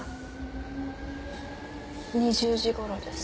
２０時頃です。